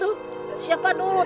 ada apa pak man